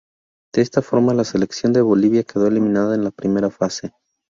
De esta forma la selección de Bolivia quedó eliminada en la primera fase.